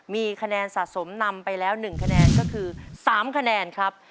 มีคะแนนสะสมนำไปแล้ว๑คะแนนก็คือ๓คะแนนครับ